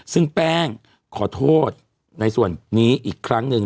ซึ่งแป้งขอโทษในส่วนนี้อีกครั้งหนึ่ง